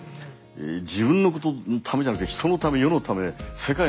自分のことためじゃなくて人のため世のため世界のために戦う。